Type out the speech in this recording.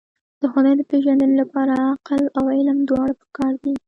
د خدای د پېژندنې لپاره عقل او علم دواړه پکار دي.